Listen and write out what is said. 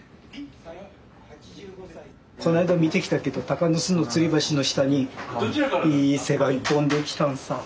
こないだ見てきたけど鷹の巣のつり橋の下にいい瀬が１本出来たんさ。